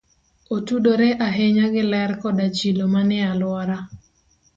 Otudore ahinya gi ler koda chilo manie alwora.